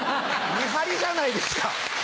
見張りじゃないですか。